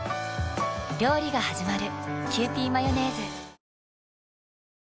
料理がはじまる。